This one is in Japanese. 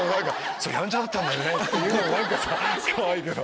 ヤンチャだったんだよね！って言うのも何かさかわいいけど。